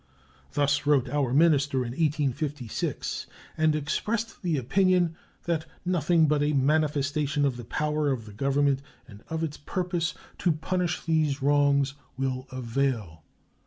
Thus wrote our minister in 1856, and expressed the opinion that "nothing but a manifestation of the power of the Government and of its purpose to punish these wrongs will avail."